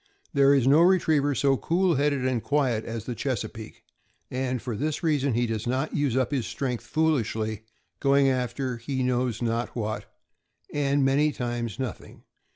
There is no retriever so cool headed and quiet as the Chesapeake; and for this rea son he does not use up his strength foolishly, going after he knows not what, and many times nothing.